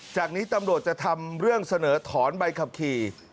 จากนี้ตำรวจจะทำเรื่องเสนอถอนใบขับขี่